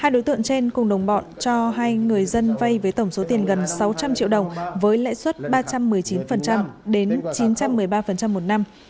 hai đối tượng trên cùng đồng bọn cho hai người dân vay với tổng số tiền gần sáu trăm linh triệu đồng với lãi suất ba trăm một mươi chín đến chín trăm một mươi ba một năm